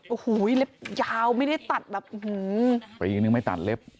โอ้โหเล็บยาวไม่ได้ตัดแบบอื้อหือปีนึงไม่ตัดเล็บ